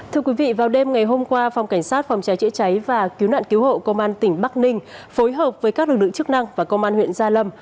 thưa quý vị vào đêm ngày hôm qua phòng cảnh sát phòng cháy chữa cháy và cứu nạn cứu hộ công an tỉnh bắc ninh phối hợp với các lực lượng chức năng và công an huyện gia lâm